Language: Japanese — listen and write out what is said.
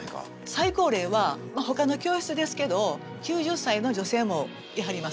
最高齢はほかの教室ですけど９０歳の女性もいはります。